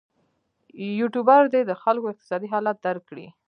یوټوبر دې د خلکو اقتصادي حالت درک کړي.